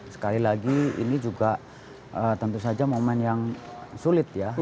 sekali lagi ini juga tentu saja momen yang sulit ya